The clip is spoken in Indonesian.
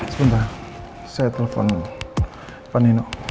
sebentar saya telepon pak nino